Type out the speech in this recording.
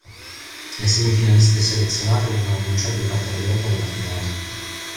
Le semifinaliste selezionate vengono annunciate durante la diretta della finale.